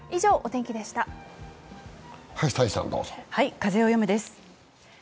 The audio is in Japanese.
「風をよむ」です。